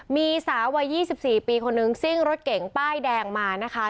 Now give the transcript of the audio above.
มีสาววัย๒๔ปีคนนึงซิ่งรถเก๋งป้ายแดงมานะคะ